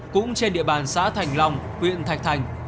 cũng trên địa bàn xã thành long huyện thạch thành